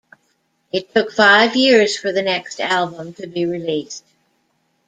It took five years for the next album to be released.